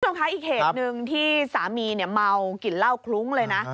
คุณผู้ชมคะอีกเหตุหนึ่งที่สามีเนี่ยเมากลิ่นเหล้าคลุ้งเลยนะ